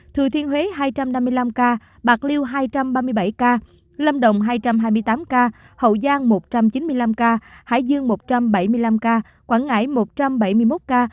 thừa thiên huế hai trăm năm mươi năm ca bạc liêu hai trăm ba mươi bảy ca lâm đồng hai trăm hai mươi tám ca hậu giang một trăm chín mươi năm ca hải dương một trăm bảy mươi năm ca quảng ngãi một trăm bảy mươi một ca